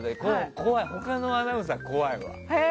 他のアナウンサーは怖いわ。